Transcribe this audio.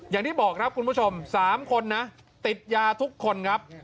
อย่างที่บอกครับคุณผู้ชม๓คนนะติดยาทุกคนครับ